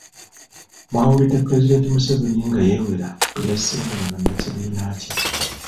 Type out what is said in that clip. Mwawulidde Pulezidenti Museveni nga yeewera bwe yasisinkanye bannakibiina kye